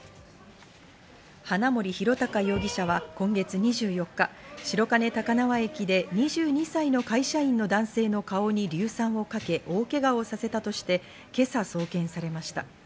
花森弘卓容疑者は今月２４日、白金高輪駅で２２歳の会社員の男性の顔に硫酸をかけ大けがをさせたとして今朝送検されました。